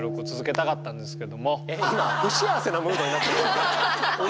今不幸せなムードになってるの？